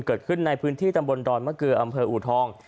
เกิดขึ้นในพื้นที่ตำบลดอนมะเกลืออำเภออูทอง